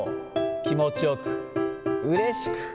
気持ちよく、うれしく。